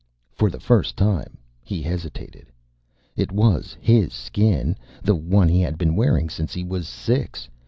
For the first time he hesitated. It was his Skin, the one he had been wearing since he was six.